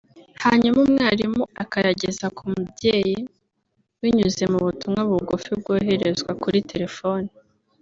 hanyuma umwarimu akayageza ku mubyeyi binyuze mu butumwa bugufi bwoherezwa kuri telefoni